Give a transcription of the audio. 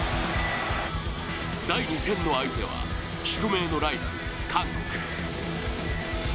第２戦の相手は宿命のライバル・韓国。